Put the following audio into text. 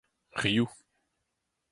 riv